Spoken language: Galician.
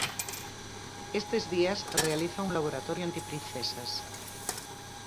Estes días realiza un laboratorio antiprincesas.